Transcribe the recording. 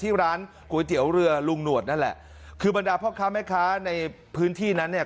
ที่ร้านก๋วยเตี๋ยวเรือลุงหนวดนั่นแหละคือบรรดาพ่อค้าแม่ค้าในพื้นที่นั้นเนี่ย